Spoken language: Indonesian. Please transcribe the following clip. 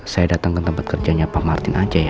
saya datang ke tempat kerjanya pak martin aja ya